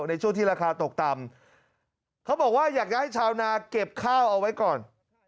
ในช่วงที่ราคาตกต่ำเขาบอกว่าอยากจะให้ชาวนาเก็บข้าวเอาไว้ก่อน